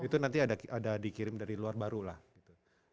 itu nanti ada dikirim dari luar baru lah gitu